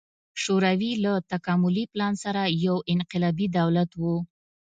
شوروي له تکاملي پلان سره یو انقلابي دولت و.